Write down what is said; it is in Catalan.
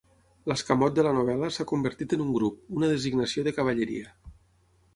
L'escamot de la novel·la s'ha convertit en un grup, una designació de cavalleria.